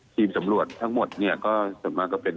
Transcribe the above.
ทีมสำรวจทั้งหมดเนี่ยก็ส่วนมากก็เป็น